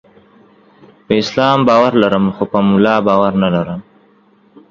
په اسلام باور لرم، خو په مولا باور نلرم.